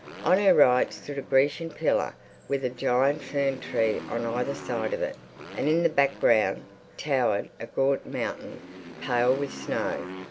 On her right stood a Grecian pillar with a giant fern tree on either side of it, and in the background towered a gaunt mountain, pale with snow.